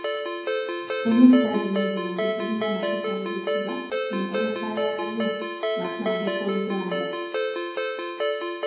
Ennyukuta zino zombi zirina amateeka agazifuga mu nkozesa yaazo nga tuwandiika Oluganda.